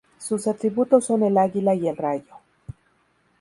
Sus atributos son el águila y el rayo.